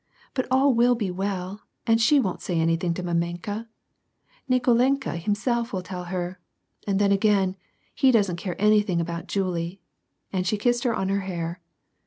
But all will be well, and she won't say anything to mamenka; Nikolenka himself ^vill tell her, and then again, he doesn't care anything about Julie," and she kissed her on her hair.